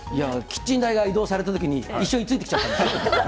キッチン台が移動されたときに一緒についてきちゃった。